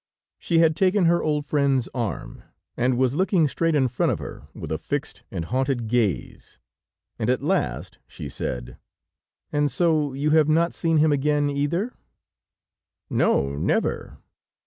She had taken her old friend's arm, and was looking straight in front of her, with a fixed and haunted gaze, and at last she said: "And so you have not seen him again, either?" "No, never."